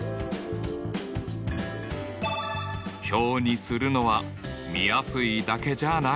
表にするのは見やすいだけじゃない！